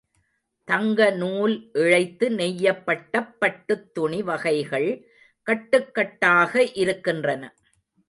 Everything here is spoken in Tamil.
தங்க நூல் இழைத்து நெய்யப்பட்டப் பட்டுத் துணி வகைகள் கட்டுகட்டாக இருக்கின்றன.